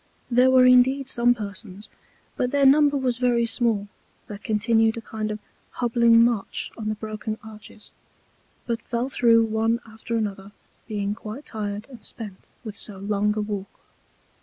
There were indeed some Persons, but their number was very small, that continued a kind of a hobbling March on the broken Arches, but fell through one after another, being quite tired and spent with so long a Walk.